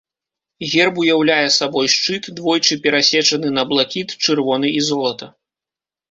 Герб уяўляе сабой шчыт, двойчы перасечаны на блакіт, чырвоны і золата.